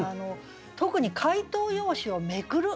特に「解答用紙を捲る」。